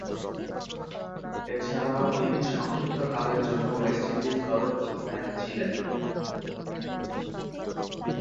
এছাড়াও তিনি সংক্ষিপ্তকালের জন্য ওয়েস্ট ইন্ডিজ দলের অধিনায়ক ছিলেন।